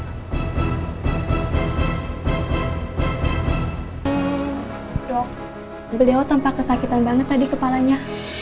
hmm dok beliau tampak kesakitan banget tadi kepalanya